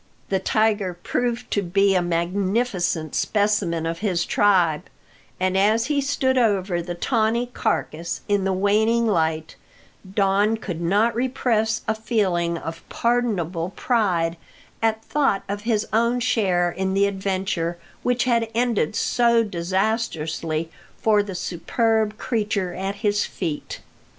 The tiger proved to be a magnificent specimen of his tribe; and, as he stood over the 'tawny carcase in the waning light, Don could not repress a feeling of pardonable pride at thought of his own share in the adventure which had ended so disastrously for the superb creature at his feet.